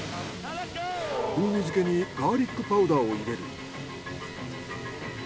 風味付けにガーリックパウダーを入れる。